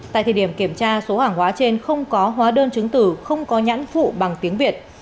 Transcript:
tại thời điểm kiểm tra số hàng hóa trên không có hóa đơn chứng tử không có nhãn phụ bằng tiếng việt